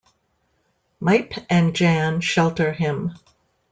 Miep and Jan shelter him.